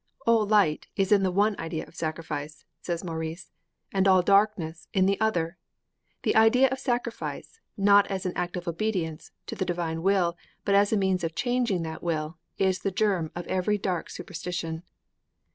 'All light is in the one idea of sacrifice,' says Maurice, 'and all darkness in the other. The idea of sacrifice, not as an act of obedience to the divine will, but as a means of changing that will, is the germ of every dark superstition.'